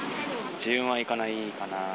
自分は行かないかな。